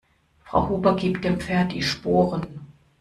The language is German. Frau Huber gibt dem Pferd die Sporen.